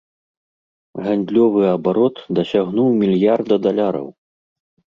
Гандлёвы абарот дасягнуў мільярда даляраў!